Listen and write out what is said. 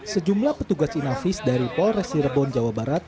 sejumlah petugas inavis dari polres cirebon jawa barat